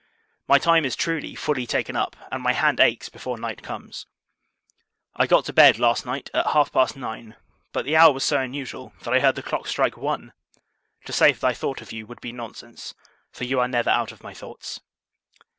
My time is, truly, fully taken up, and my hand aches before night comes. I got to bed, last night, at half past nine; but the hour was so unusual, that I heard the clock strike one. To say that I thought of you, would be nonsense; for, you are never out of my thoughts.